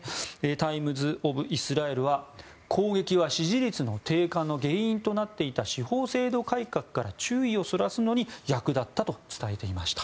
タイムズ・オブ・イスラエルは攻撃は支持率の低下の原因となっていた司法制度改革から注意をそらすのに役立ったと伝えていました。